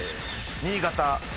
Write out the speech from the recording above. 新潟。